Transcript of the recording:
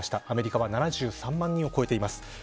アメリカは７３万人を超えています。